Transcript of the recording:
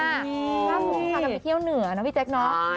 ว้าวพวกค้าต้องไปเที่ยวเหนือนะพี่แจ๊คเนาะ